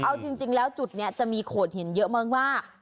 เอาจริงแล้วจุดนี้จะมีโขดหินเยอะมาก